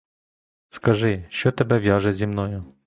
Скажи, що тебе в'яже зі мною?